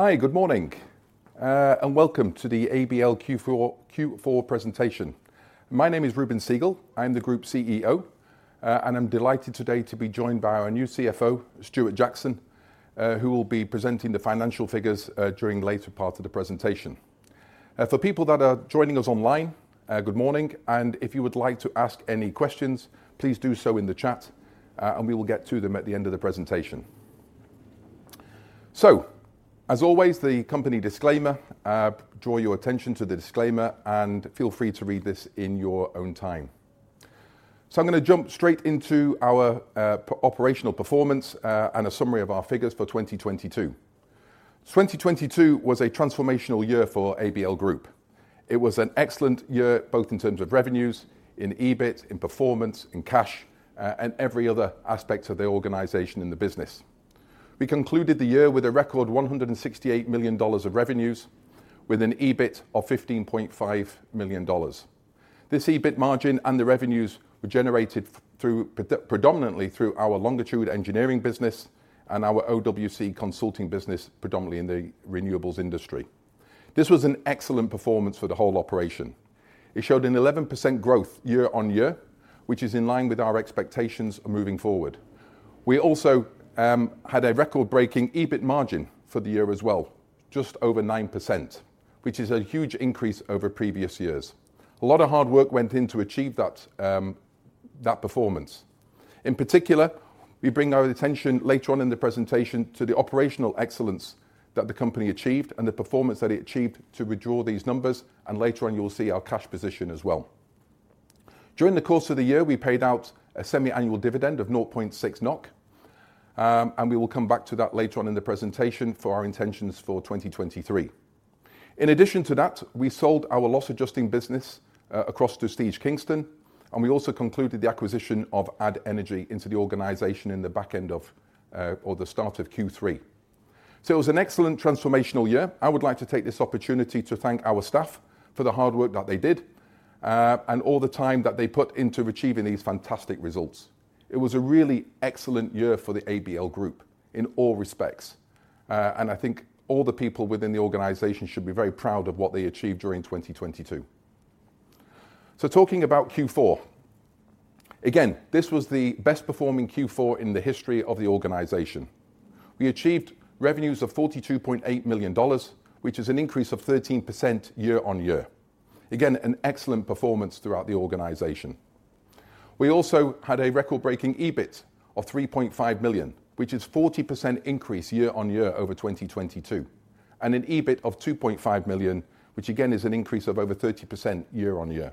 Hi, good morning, welcome to the ABL Q4 Presentation. My name is Reuben Segal. I'm the ABL Group CEO, I'm delighted today to be joined by our new CFO, Stuart Jackson, who will be presenting the financial figures during later part of the presentation. For people that are joining us online, good morning, if you would like to ask any questions, please do so in the chat, we will get to them at the end of the presentation. As always, the company disclaimer, draw your attention to the disclaimer, feel free to read this in your own time. I'm gonna jump straight into our operational performance, a summary of our figures for 2022. 2022 was a transformational year for ABL Group. It was an excellent year, both in terms of revenues, in EBIT, in performance, in cash, and every other aspect of the organization and the business. We concluded the year with a record $168 million of revenues with an EBIT of $15.5 million. This EBIT margin and the revenues were generated predominantly through our Longitude Engineering business and our OWC consulting business, predominantly in the renewables industry. This was an excellent performance for the whole operation. It showed an 11% growth year-on-year, which is in line with our expectations moving forward. We also had a record-breaking EBIT margin for the year as well, just over 9%, which is a huge increase over previous years. A lot of hard work went in to achieve that performance. In particular, we bring our attention later on in the presentation to the operational excellence that the company achieved and the performance that it achieved to withdraw these numbers, and later on, you'll see our cash position as well. During the course of the year, we paid out a semi-annual dividend of of 0.6 NOK. We will come back to that later on in the presentation for our intentions for 2023. In addition to that, we sold our loss adjusting business across to Steege Kingston. We also concluded the acquisition of Add Energy into the organization in the back end of or the start of Q3. It was an excellent transformational year. I would like to take this opportunity to thank our staff for the hard work that they did, and all the time that they put into achieving these fantastic results. It was a really excellent year for the ABL Group in all respects, and I think all the people within the organization should be very proud of what they achieved during 2022. Talking about Q4. Again, this was the best performing Q4 in the history of the organization. We achieved revenues of $42.8 million, which is an increase of 13% year-on-year. Again, an excellent performance throughout the organization. We also had a record-breaking EBIT of $3.5 million, which is 40% increase year-on-year over 2022, and an EBIT of $2.5 million, which again is an increase of over 30% year-on-year.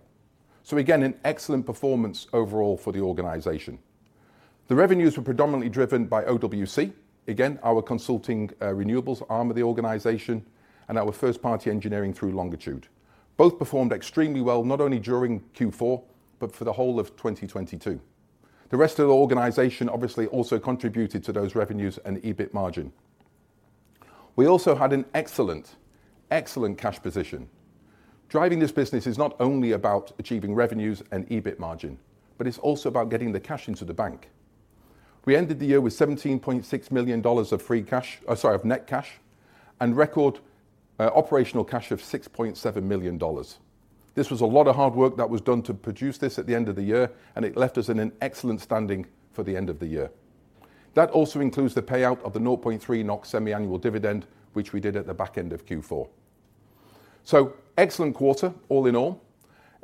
Again, an excellent performance overall for the organization. The revenues were predominantly driven by OWC, again, our consulting, renewables arm of the organization and our first-party engineering through Longitude. Both performed extremely well, not only during Q4, but for the whole of 2022. The rest of the organization obviously also contributed to those revenues and EBIT margin. We also had an excellent cash position. Driving this business is not only about achieving revenues and EBIT margin, but it's also about getting the cash into the bank. We ended the year with $17.6 million of free cash, or sorry, of net cash and record operational cash of $6.7 million. This was a lot of hard work that was done to produce this at the end of the year, and it left us in an excellent standing for the end of the year. That also includes the payout of the 0.3 NOK semi-annual dividend, which we did at the back end of Q4. Excellent quarter all in all.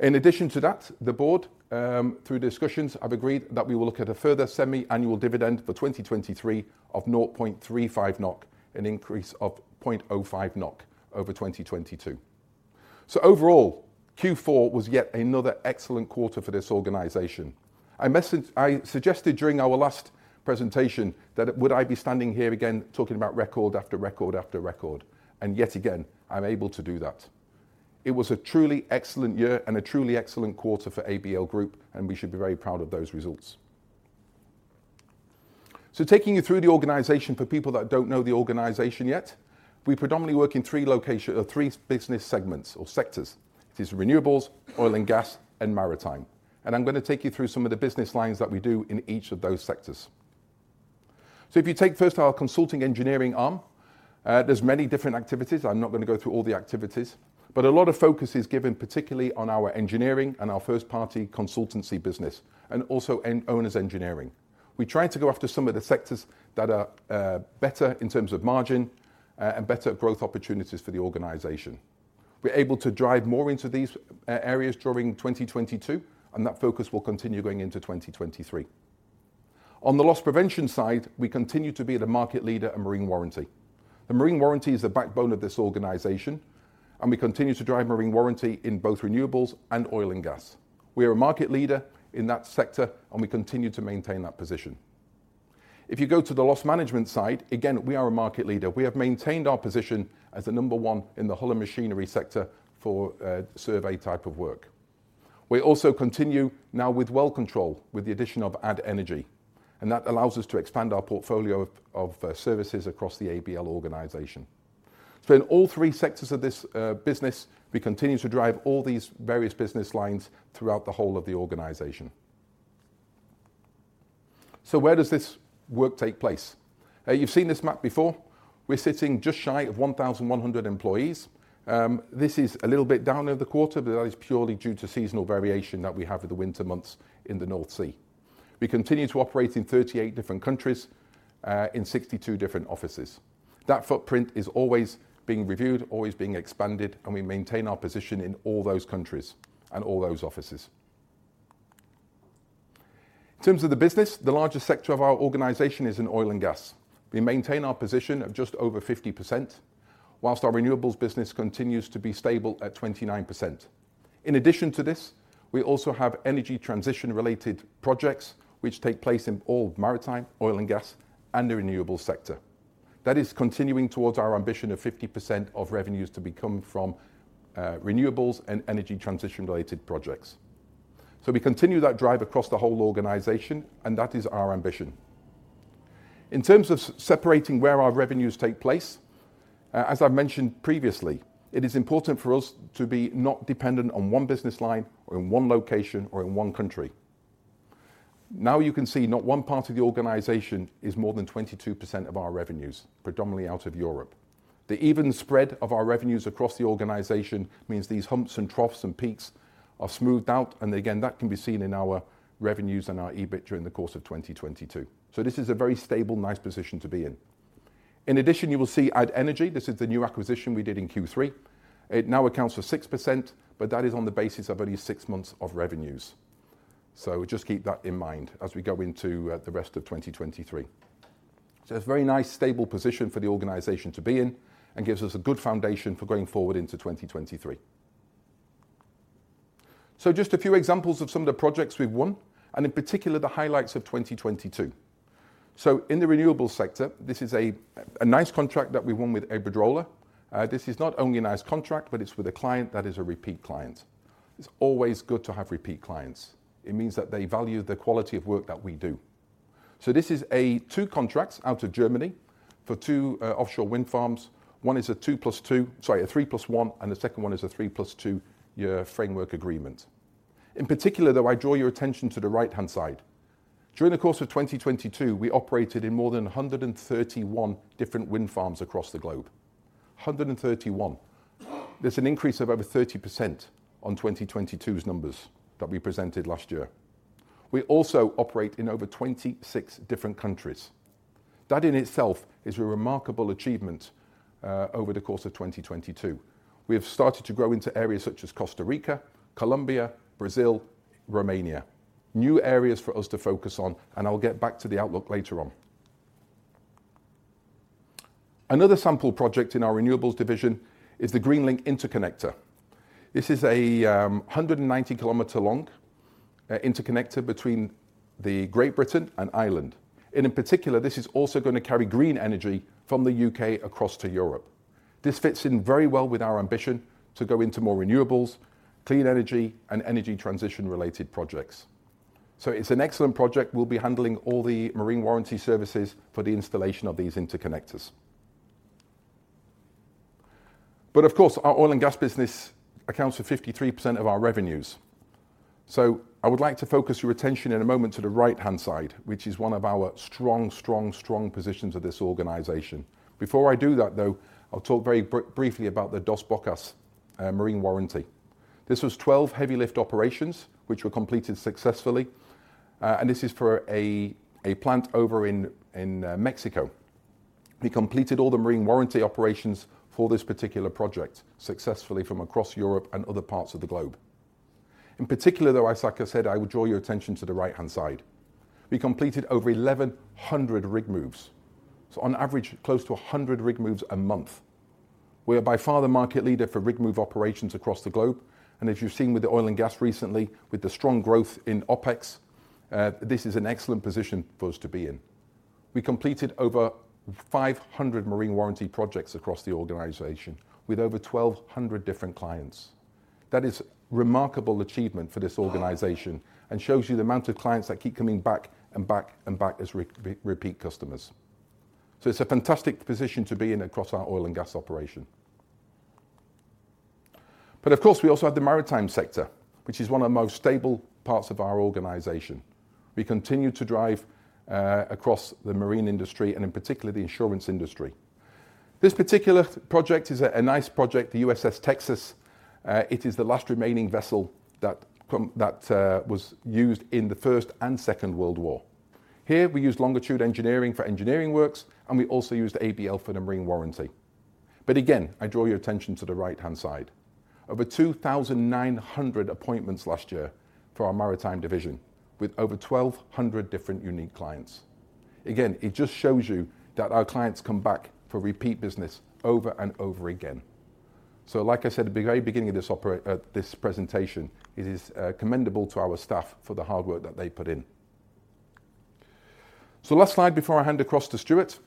In addition to that, the board, through discussions, have agreed that we will look at a further semi-annual dividend for 2023 of 0.35 NOK, an increase of 0.05 NOK over 2022. Overall, Q4 was yet another excellent quarter for this organization. I suggested during our last presentation that would I be standing here again talking about record after record after record, and yet again, I'm able to do that. It was a truly excellent year and a truly excellent quarter for ABL Group, and we should be very proud of those results. Taking you through the organization for people that don't know the organization yet, we predominantly work in three business segments or sectors. These are Renewables, Oil & Gas, and Maritime. I'm gonna take you through some of the business lines that we do in each of those sectors. If you take first our consulting engineering arm, there's many different activities. I'm not gonna go through all the activities, but a lot of focus is given particularly on our engineering and our first-party consultancy business and also Owner's Engineering. We try to go after some of the sectors that are better in terms of margin and better growth opportunities for the organization. We're able to drive more into these areas during 2022. That focus will continue going into 2023. On the loss prevention side, we continue to be the market leader in marine warranty. The marine warranty is the backbone of this organization. We continue to drive marine warranty in both Renewables and Oil & Gas. We are a market leader in that sector. We continue to maintain that position. If you go to the loss management side, again, we are a market leader. We have maintained our position as the number one in the Hull & Machinery sector for survey type of work. We also continue now with well control with the addition of Add Energy. That allows us to expand our portfolio of services across the ABL organization. In all three sectors of this business, we continue to drive all these various business lines throughout the whole of the organization. Where does this work take place? You've seen this map before. We're sitting just shy of 1,100 employees. This is a little bit down over the quarter, but that is purely due to seasonal variation that we have with the winter months in the North Sea. We continue to operate in 38 different countries, in 62 different offices. That footprint is always being reviewed, always being expanded, and we maintain our position in all those countries and all those offices. In terms of the business, the largest sector of our organization is in Oil & Gas. We maintain our position of just over 50%, whilst our Renewables business continues to be stable at 29%. In addition to this, we also have Energy Transition related projects which take place in all Maritime, Oil & Gas, and the Renewables sector. That is continuing towards our ambition of 50% of revenues to be coming from Renewables and Energy Transition related projects. We continue that drive across the whole organization, and that is our ambition. In terms of separating where our revenues take place, as I've mentioned previously, it is important for us to be not dependent on one business line or in one location or in one country. You can see not one part of the organization is more than 22% of our revenues, predominantly out of Europe. The even spread of our revenues across the organization means these humps and troughs and peaks are smoothed out, and again, that can be seen in our revenues and our EBIT during the course of 2022. This is a very stable, nice position to be in. In addition, you will see Add Energy. This is the new acquisition we did in Q3. It now accounts for 6%, but that is on the basis of only six months of revenues. Just keep that in mind as we go into the rest of 2023. It's a very nice stable position for the organization to be in and gives us a good foundation for going forward into 2023. Just a few examples of some of the projects we've won, and in particular, the highlights of 2022. In the Renewables sector, this is a nice contract that we won with Iberdrola. This is not only a nice contract, but it's with a client that is a repeat client. It's always good to have repeat clients. It means that they value the quality of work that we do. This is two contracts out of Germany for two offshore wind farms. One is a 2 + 2, sorry, a 3 + 1, and the second one is a 3 + 2-year framework agreement. In particular, though, I draw your attention to the right-hand side. During the course of 2022, we operated in more than 131 different wind farms across the globe. 131. There's an increase of over 30% on 2022's numbers that we presented last year. We also operate in over 26 different countries. That in itself is a remarkable achievement over the course of 2022. We have started to grow into areas such as Costa Rica, Colombia, Brazil, Romania. New areas for us to focus on. I'll get back to the outlook later on. Another sample project in our Renewables division is the Greenlink interconnector. This is a 190 km long interconnector between the Great Britain and Ireland. In particular, this is also gonna carry green energy from the U.K. across to Europe. This fits in very well with our ambition to go into more renewables, clean energy, and energy transition related projects. It's an excellent project. We'll be handling all the marine warranty services for the installation of these interconnectors. Of course, our Oil & Gas business accounts for 53% of our revenues. I would like to focus your attention in a moment to the right-hand side, which is one of our strong positions of this organization. Before I do that, though, I'll talk very briefly about the Dos Bocas marine warranty. This was 12 heavy lift operations which were completed successfully, and this is for a plant over in Mexico. We completed all the marine warranty operations for this particular project successfully from across Europe and other parts of the globe. In particular, though, as like I said, I would draw your attention to the right-hand side. We completed over 1,100 rig moves, so on average, close to 100 rig moves a month. We are by far the market leader for rig move operations across the globe, and as you've seen with the Oil & Gas recently, with the strong growth in OpEx, this is an excellent position for us to be in. We completed over 500 marine warranty projects across the organization with over 1,200 different clients. That is remarkable achievement for this organization and shows you the amount of clients that keep coming back and back and back as repeat customers. It's a fantastic position to be in across our Oil & Gas operation. Of course, we also have the Maritime sector, which is one of the most stable parts of our organization. We continue to drive across the marine industry and in particular the insurance industry. This particular project is a nice project, the USS Texas. It is the last remaining vessel that was used in the First and Second World War. Here we used Longitude Engineering for engineering works, and we also used ABL for the marine warranty. Again, I draw your attention to the right-hand side. Over 2,900 appointments last year for our Maritime division with over 1,200 different unique clients. It just shows you that our clients come back for repeat business over and over again. Like I said at the very beginning of this presentation, it is commendable to our staff for the hard work that they put in. Last slide before I hand across to Stuart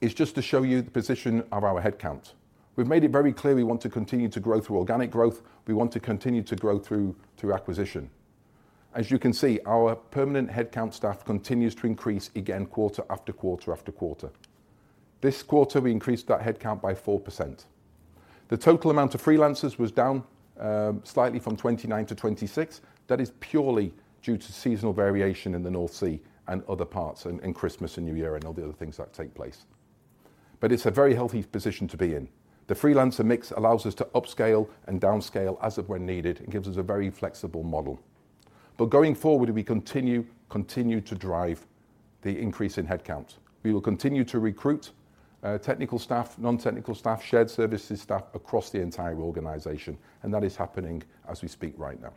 is just to show you the position of our head count. We've made it very clear we want to continue to grow through organic growth. We want to continue to grow through acquisition. As you can see, our permanent head count staff continues to increase again quarter after quarter after quarter. This quarter, we increased that head count by 4%. The total amount of freelancers was down slightly from 29-26. That is purely due to seasonal variation in the North Sea and other parts, and Christmas and New Year and all the other things that take place. It's a very healthy position to be in. The freelancer mix allows us to upscale and downscale as of when needed and gives us a very flexible model. Going forward, we continue to drive the increase in headcount. We will continue to recruit technical staff, non-technical staff, shared services staff across the entire organization, and that is happening as we speak right now.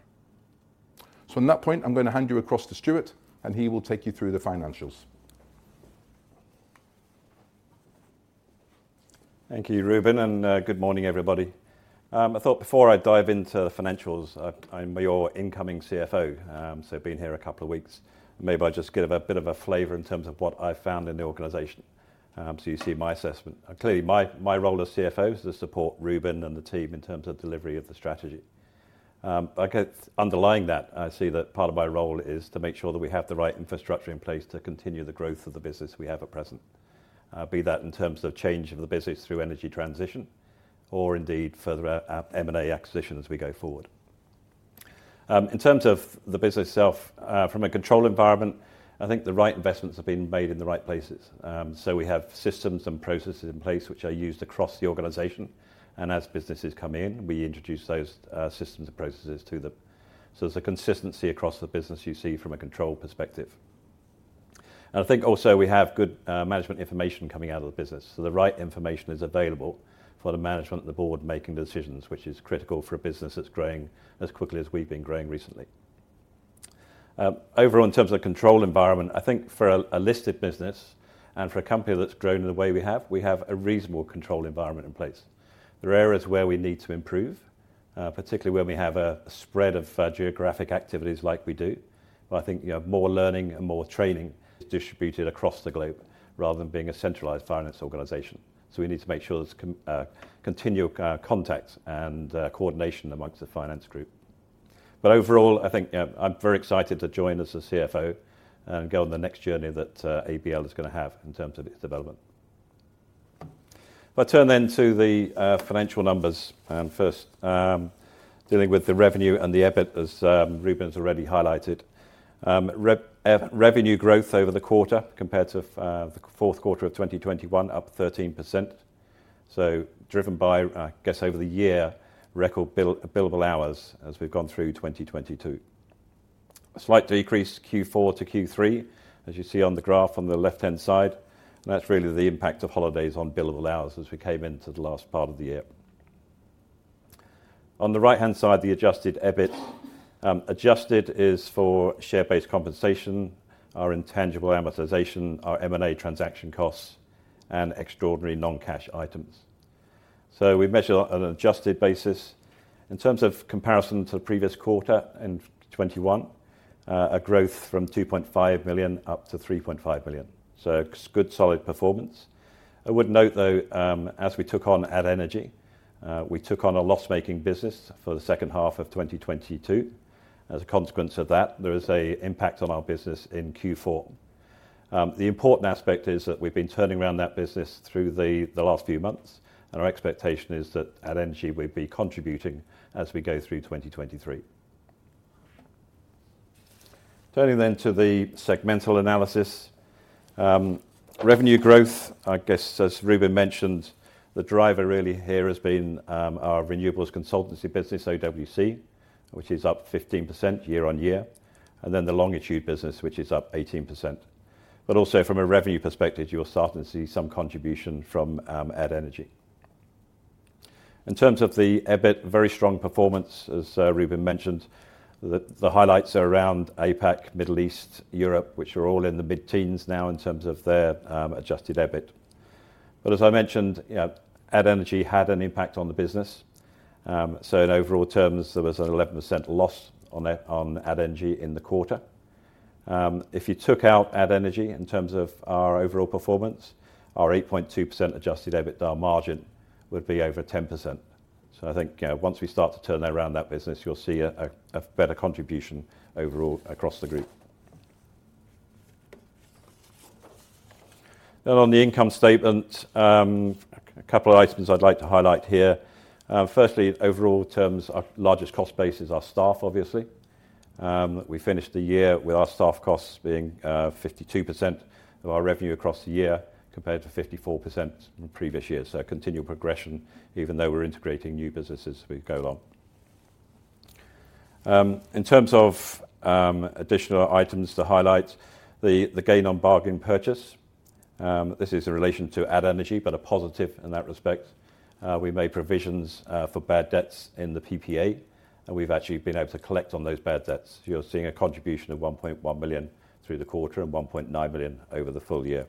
On that point, I'm gonna hand you across to Stuart, and he will take you through the financials. Thank you, Reuben. Good morning, everybody. I thought before I dive into the financials, I'm your incoming CFO. Been here a couple of weeks. Maybe I'll just give a bit of a flavor in terms of what I found in the organization. You see my assessment. Clearly, my role as CFO is to support Reuben and the team in terms of delivery of the strategy. I guess underlying that, I see that part of my role is to make sure that we have the right infrastructure in place to continue the growth of the business we have at present, be that in terms of change of the business through Energy Transition or indeed further M&A acquisitions as we go forward. In terms of the business itself, from a control environment, I think the right investments have been made in the right places. We have systems and processes in place which are used across the organization, and as businesses come in, we introduce those systems and processes to them. There's a consistency across the business you see from a control perspective. I think also we have good management information coming out of the business, so the right information is available for the management and the board making decisions, which is critical for a business that's growing as quickly as we've been growing recently. Overall, in terms of the control environment, I think for a listed business and for a company that's grown in the way we have, we have a reasonable control environment in place. There are areas where we need to improve, particularly when we have a spread of geographic activities like we do. I think, you know, more learning and more training is distributed across the globe rather than being a centralized finance organization. We need to make sure there's continual contact and coordination amongst the finance group. Overall, I think, you know, I'm very excited to join as the CFO and go on the next journey that ABL is gonna have in terms of its development. If I turn then to the financial numbers and first dealing with the revenue and the EBIT, as Reuben's already highlighted. Revenue growth over the quarter compared to the fourth quarter of 2021, up 13%. Driven by, I guess, over the year, record billable hours as we've gone through 2022. A slight decrease Q4-Q3, as you see on the graph on the left-hand side, and that's really the impact of holidays on billable hours as we came into the last part of the year. On the right-hand side, the adjusted EBIT. Adjusted is for share-based compensation, our intangible amortization, our M&A transaction costs, and extraordinary non-cash items. We measure on an adjusted basis. In terms of comparison to the previous quarter in 2021, a growth from 2.5 million up to 3.5 million. Good, solid performance. I would note though, as we took on Add Energy, we took on a loss-making business for the second half of 2022. As a consequence of that, there is a impact on our business in Q4. The important aspect is that we've been turning around that business through the last few months. Our expectation is that Add Energy will be contributing as we go through 2023. Turning to the segmental analysis. Revenue growth, I guess as Reuben mentioned, the driver really here has been our Renewables consultancy business, OWC, which is up 15% year-on-year. The Longitude business, which is up 18%. Also from a revenue perspective, you'll start to see some contribution from Add Energy. In terms of the EBIT, very strong performance, as Reuben mentioned. The highlights are around APAC, Middle East, Europe, which are all in the mid-teens now in terms of their adjusted EBIT. As I mentioned, you know, Add Energy had an impact on the business. In overall terms, there was an 11% loss on Add Energy in the quarter. If you took out Add Energy in terms of our overall performance, our 8.2% adjusted EBIT margin would be over 10%. I think, you know, once we start to turn around that business, you'll see a better contribution overall across the group. On the income statement, a couple of items I'd like to highlight here. Firstly, overall terms, our largest cost base is our staff, obviously. We finished the year with our staff costs being 52% of our revenue across the year, compared to 54% in the previous year. A continual progression, even though we're integrating new businesses as we go along. In terms of additional items to highlight, the gain on bargain purchase. This is in relation to Add Energy, but a positive in that respect. We made provisions for bad debts in the PPA. We've actually been able to collect on those bad debts. You're seeing a contribution of 1.1 million through the quarter and 1.9 million over the full year.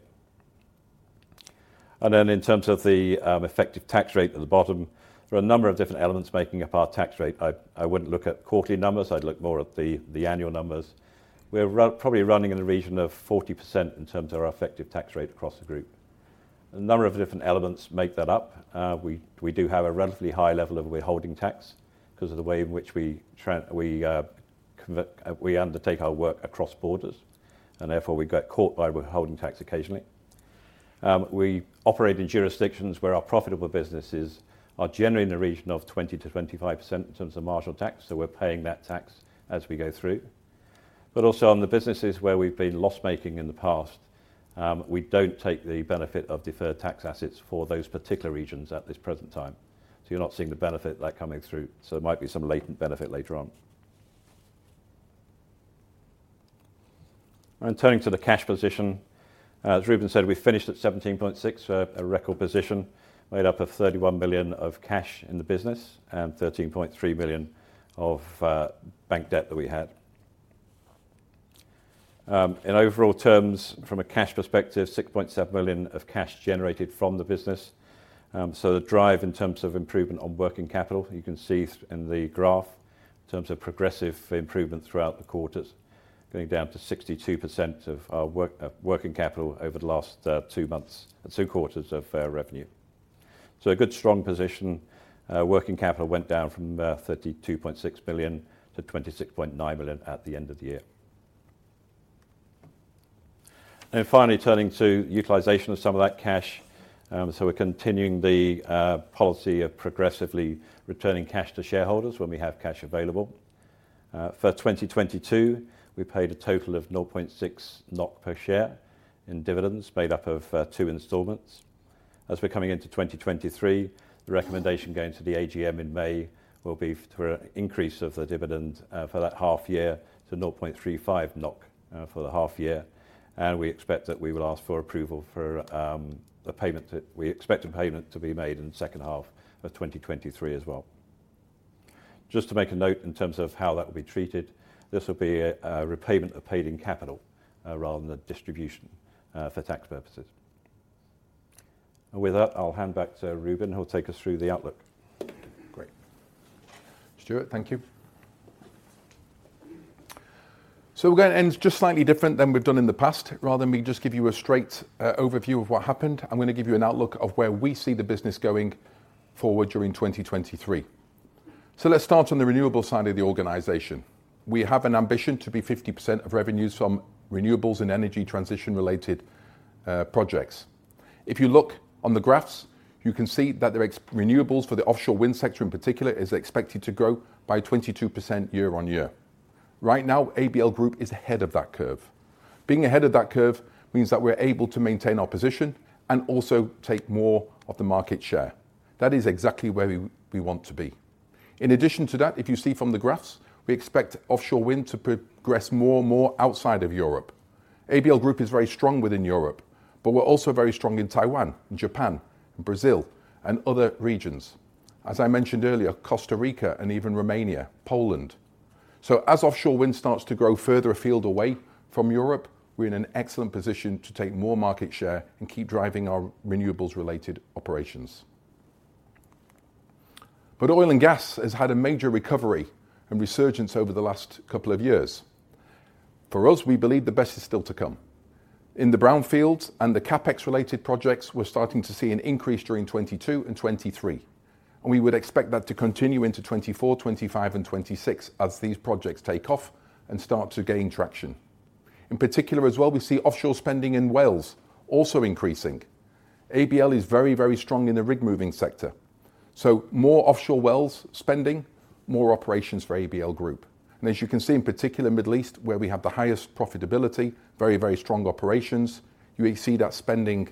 In terms of the effective tax rate at the bottom, there are a number of different elements making up our tax rate. I wouldn't look at quarterly numbers. I'd look more at the annual numbers. We're probably running in the region of 40% in terms of our effective tax rate across the group. A number of different elements make that up. We do have a relatively high level of withholding tax because of the way in which we undertake our work across borders. Therefore we get caught by withholding tax occasionally. We operate in jurisdictions where our profitable businesses are generally in the region of 20%-25% in terms of marginal tax, so we're paying that tax as we go through. Also on the businesses where we've been loss-making in the past, we don't take the benefit of deferred tax assets for those particular regions at this present time. You're not seeing the benefit of that coming through. There might be some latent benefit later on. Turning to the cash position, as Reuben said, we finished at 17.6 million, a record position made up of 31 million of cash in the business and 13.3 million of bank debt that we had. In overall terms from a cash perspective, 6.7 million of cash generated from the business. The drive in terms of improvement on working capital, you can see in the graph in terms of progressive improvement throughout the quarters, going down to 62% of our working capital over the last two months, two quarters of revenue. A good strong position. Working capital went down from 32.6 million to 26.9 million at the end of the year. Finally, turning to utilization of some of that cash. We're continuing the policy of progressively returning cash to shareholders when we have cash available. For 2022 we paid a total of 0.6 NOK per share in dividends, made up of two installments. As we're coming into 2023, the recommendation going to the AGM in May will be for increase of the dividend for that half year to 0.35 NOK for the half year, and we expect that we will ask for approval for a payment that we expect a payment to be made in the second half of 2023 as well. Just to make a note in terms of how that will be treated, this will be a repayment of paid in capital, rather than a distribution, for tax purposes. With that, I'll hand back to Reuben, who will take us through the outlook. Great. Stuart, thank you. We're gonna end just slightly different than we've done in the past. Rather than me just give you a straight overview of what happened, I'm gonna give you an outlook of where we see the business going forward during 2023. Let's start on the Renewables side of the organization. We have an ambition to be 50% of revenues from Renewables and Energy Transition-related projects. If you look on the graphs, you can see that Renewables for the offshore wind sector in particular is expected to grow by 22% year-over-year. Right now, ABL Group is ahead of that curve. Being ahead of that curve means that we're able to maintain our position and also take more of the market share. That is exactly where we want to be. In addition to that, if you see from the graphs, we expect offshore wind to progress more and more outside of Europe. ABL Group is very strong within Europe, but we're also very strong in Taiwan, Japan, Brazil, and other regions. As I mentioned earlier, Costa Rica and even Romania, Poland. As offshore wind starts to grow further afield away from Europe, we're in an excellent position to take more market share and keep driving our Renewables related operations. Oil & Gas has had a major recovery and resurgence over the last couple of years. For us, we believe the best is still to come. In the brownfields and the CapEx related projects, we're starting to see an increase during 2022 and 2023, and we would expect that to continue into 2024, 2025, and 2026 as these projects take off and start to gain traction. In particular as well, we see offshore spending in wells also increasing. ABL is very, very strong in the rig moving sector, so more offshore wells spending, more operations for ABL Group. As you can see in particular Middle East where we have the highest profitability, very, very strong operations, you see that spending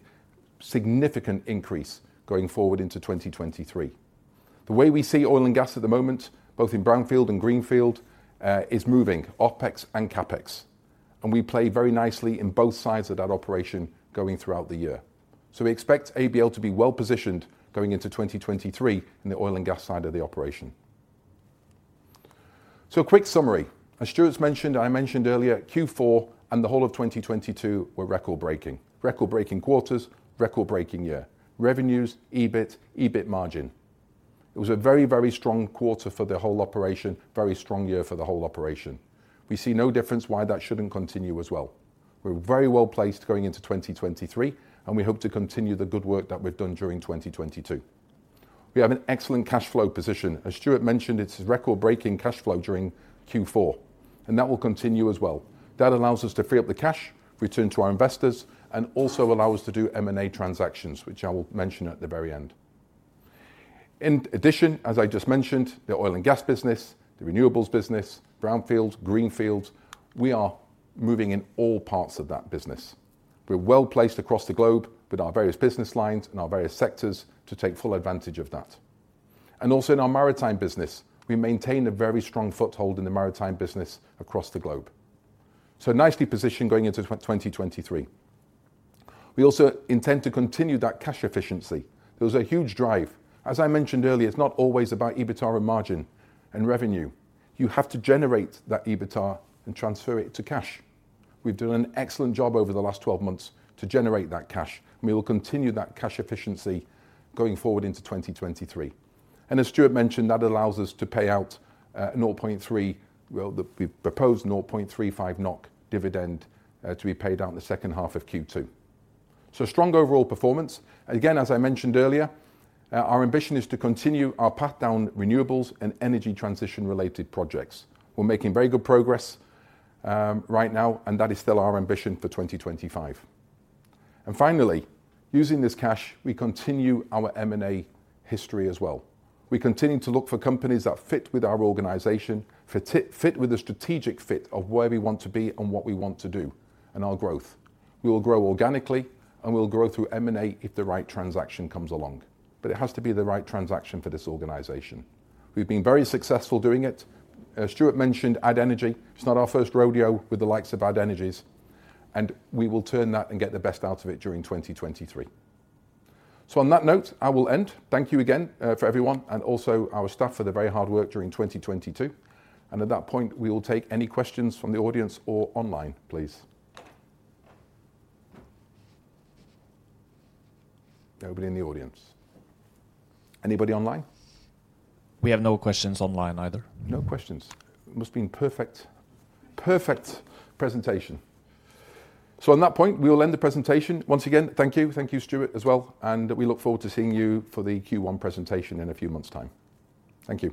significant increase going forward into 2023. The way we see Oil & Gas at the moment, both in brownfield and greenfield, is moving OpEx and CapEx, and we play very nicely in both sides of that operation going throughout the year. We expect ABL to be well positioned going into 2023 in the Oil & Gas side of the operation. A quick summary. As Stuart mentioned, I mentioned earlier, Q4 and the whole of 2022 were record-breaking. Record-breaking quarters, record-breaking year. Revenues, EBIT margin. It was a very, very strong quarter for the whole operation, very strong year for the whole operation. We see no difference why that shouldn't continue as well. We're very well placed going into 2023, and we hope to continue the good work that we've done during 2022. We have an excellent cash flow position. As Stuart mentioned, it's record-breaking cash flow during Q4, and that will continue as well. That allows us to free up the cash, return to our investors, and also allow us to do M&A transactions, which I will mention at the very end. In addition, as I just mentioned, the Oil & Gas business, the Renewables business, brownfields, greenfields, we are moving in all parts of that business. We're well placed across the globe with our various business lines and our various sectors to take full advantage of that. Also in our Maritime business, we maintain a very strong foothold in the maritime business across the globe. Nicely positioned going into 2023. We also intend to continue that cash efficiency. There was a huge drive. As I mentioned earlier, it's not always about EBITDA and margin and revenue. You have to generate that EBITDA and transfer it to cash. We've done an excellent job over the last 12 months to generate that cash, and we will continue that cash efficiency going forward into 2023. As Stuart mentioned, that allows us to pay out 0.3, the proposed 0.35 NOK dividend, to be paid out in the second half of Q2. Strong overall performance. Again, as I mentioned earlier, our ambition is to continue our path down Renewables and Energy Transition-related projects. We're making very good progress right now. That is still our ambition for 2025. Finally, using this cash, we continue our M&A history as well. We continue to look for companies that fit with our organization, fit with the strategic fit of where we want to be and what we want to do and our growth. We will grow organically, and we will grow through M&A if the right transaction comes along, but it has to be the right transaction for this organization. We've been very successful doing it. As Stuart mentioned, Add Energy. It's not our first rodeo with the likes of Add Energy. We will turn that and get the best out of it during 2023. On that note, I will end. Thank you again for everyone and also our staff for their very hard work during 2022. At that point, we will take any questions from the audience or online, please. Nobody in the audience. Anybody online? We have no questions online either. No questions. It must have been perfect presentation. On that point, we will end the presentation. Once again, thank you. Thank you, Stuart, as well, and we look forward to seeing you for the Q1 presentation in a few months' time. Thank you.